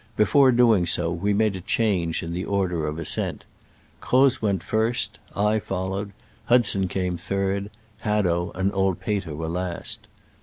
Before doing so we made a change in the order of ascent. Croz went first, I followed, Hudson came third : Hadow and old Peter were last.